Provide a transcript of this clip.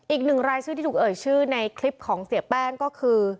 อีกหนึ่งรายชื่อที่ถูกเอ่ยชื่อในคลิปของเสียแป้งก็คือ